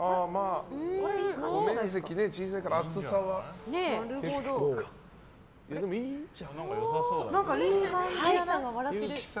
面積小さいから厚さは結構。